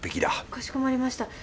かしこまりました。